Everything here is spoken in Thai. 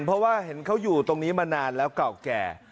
เพราะว่าเห็นเขาอยู่ตรงนี้มานานแล้วเก่าแก่